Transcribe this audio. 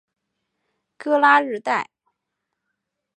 戈拉日代。